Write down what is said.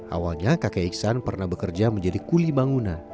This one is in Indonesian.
awalnya kakek iksan pernah bekerja menjadi kuli bangunan